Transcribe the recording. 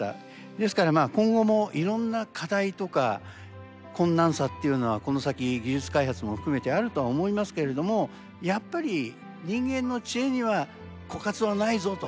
ですからまあ今後もいろんな課題とか困難さっていうのはこの先技術開発も含めてあるとは思いますけれどもやっぱり人間の知恵には枯渇はないぞと。